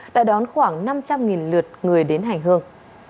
đã đón khoảng năm trăm linh lượt người đến hành hương